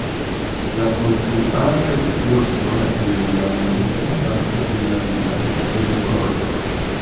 La konstruaĵo situas sola en la meza parto de la vilaĝo en korto.